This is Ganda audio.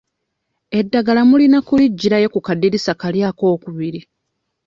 Eddagala mulina kuliggyirayo ku kaddirisa kali akookubiri.